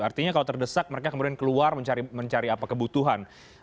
artinya kalau terdesak mereka kemudian keluar mencari apa kebutuhan